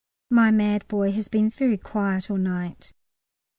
My mad boy has been very quiet all night.